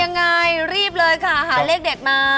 ยังไงรีบเลยค่ะหาเลขเด็ดมา